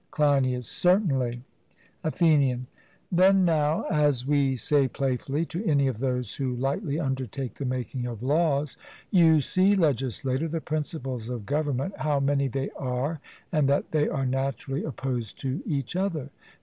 CLEINIAS: Certainly. ATHENIAN: 'Then now,' as we say playfully to any of those who lightly undertake the making of laws, 'you see, legislator, the principles of government, how many they are, and that they are naturally opposed to each other.